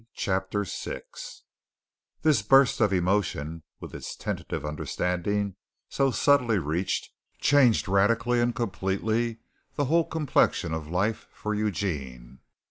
CHAPTER VI This burst of emotion with its tentative understanding so subtly reached, changed radically and completely the whole complexion of life for Eugene.